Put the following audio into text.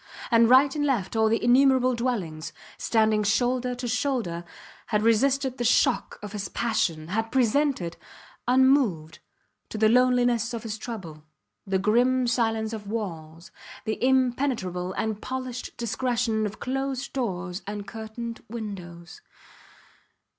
And right and left all the innumerable dwellings, standing shoulder to shoulder, had resisted the shock of his passion, had presented, unmoved, to the loneliness of his trouble, the grim silence of walls, the impenetrable and polished discretion of closed doors and curtained windows.